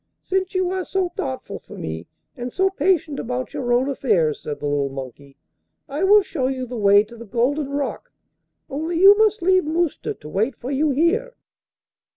'Since you are so thoughtful for me, and so patient about your own affairs,' said the little monkey, 'I will show you the way to the Golden Rock, only you must leave Mousta to wait for you here.